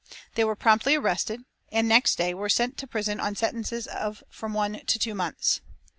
They were promptly arrested and, next day, were sent to prison on sentences of from one to two months.